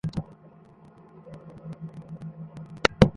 কৌতূহলী মানুষ লোহার টুকরো সেই পাথরের কাছে নিয়ে বারবার পরখ করে দেখল।